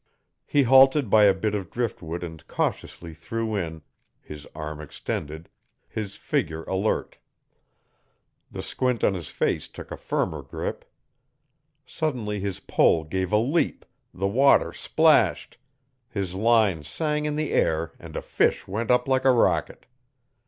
He halted by a bit of driftwood and cautiously threw in, his arm extended, his figure alert. The squint on his face took a firmer grip. Suddenly his pole gave a leap, the water splashed, his line sang in the air and a fish went up like a rocket.